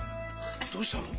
どうしたの？